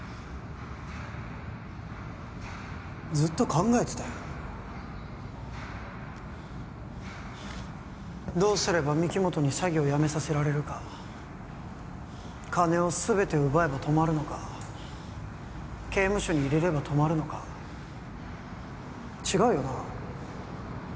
ずっと考えてたよどうすれば御木本に詐欺をやめさせられるか金をすべて奪えば止まるのか刑務所に入れれば止まるのか違うよな？